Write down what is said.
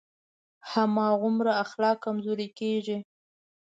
هماغومره اخلاق کمزوری کېږي.